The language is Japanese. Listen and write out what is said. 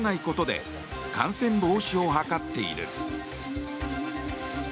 ことで感染防止を図っている。